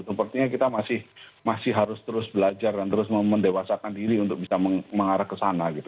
sepertinya kita masih harus terus belajar dan terus mendewasakan diri untuk bisa mengarah ke sana gitu